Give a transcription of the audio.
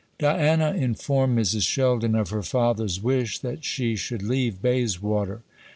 Diana informed Mrs. Sheldon of her father's wish that she should leave Bayswater.